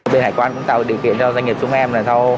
bên hải quan cũng tạo điều kiện cho doanh nghiệp chúng em